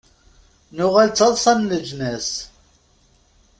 Nuɣal d taḍṣa n leǧnas.